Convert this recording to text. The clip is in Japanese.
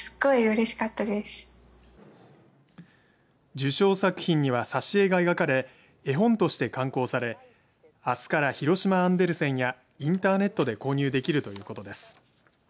受賞作品には挿絵が描かれ絵本として刊行されあすから広島アンデルセンやインターネットで購入できるということです。